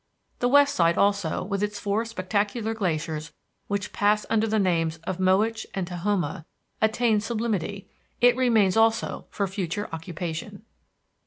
The west side, also, with its four spectacular glaciers which pass under the names of Mowich and Tahoma, attains sublimity; it remains also for future occupation.